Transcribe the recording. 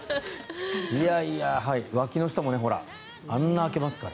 いやいや、わきの下も、ほらあんな開けますから。